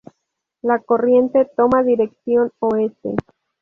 La corriente toma dirección oeste.